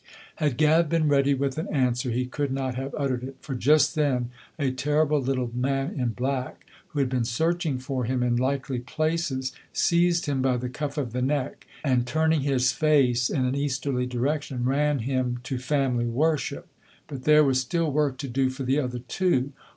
Had Gav been ready with an answer he could not have uttered it, for just then a terrible little man in black, who had been searching for him in likely places, seized him by the cuff of the neck, and, turning his face in an easterly direction, ran him to family worship. But there was still work to do for the other two.